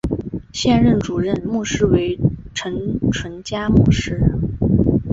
现任主任牧师为陈淳佳牧师。